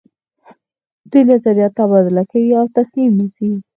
دوی نظریات تبادله کوي او تصمیم نیسي.